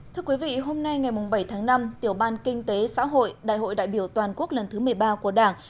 thưa quý vị hôm nay ngày bảy tháng năm tiểu ban kinh tế xã hội đại hội đại biểu toàn quốc lần thứ một mươi ba của đảng